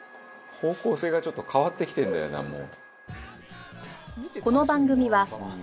「方向性がちょっと変わってきてるんだよなもう」